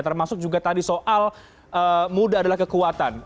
termasuk juga tadi soal muda adalah kekuatan